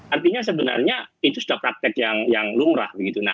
artinya sebenarnya itu sudah praktek yang lumrah